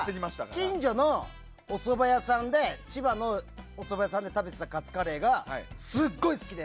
近所のおそば屋さんで千葉のおそば屋さんで食べていたカツカレーがすごい好きで。